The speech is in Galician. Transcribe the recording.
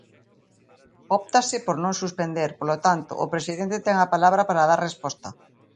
Óptase por non suspender, polo tanto, o presidente ten a palabra para dar resposta.